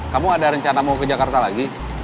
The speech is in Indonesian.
kamu ada rencana mau ke jakarta lagi